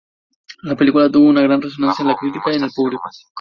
La película tuvo una gran resonancia en la crítica y en el público.